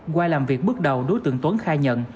qua làm việc bước đầu đối tượng tuấn khai nhận